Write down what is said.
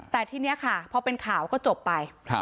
แต่ทีนี้ค่ะพอเป็นข่าวก็จบไป